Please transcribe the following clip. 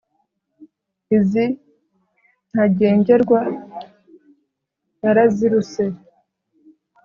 Izi Ntagengerwa naraziruse